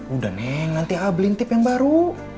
udah nih nanti ablin tip yang baru